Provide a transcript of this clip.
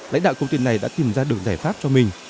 lãnh đạo công ty này đã tìm ra được giải pháp cho mình